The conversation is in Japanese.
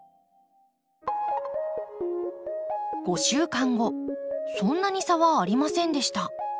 ５週間後そんなに差はありませんでした。